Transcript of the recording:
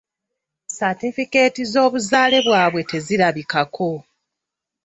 Satifikeeti z'obuzaale bwabwe tezirabikako.